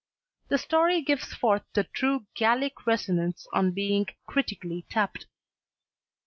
The story gives forth the true Gallic resonance on being critically tapped.